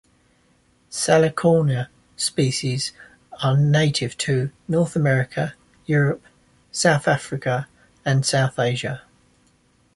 "Salicornia" species are native to North America, Europe, South Africa, and South Asia.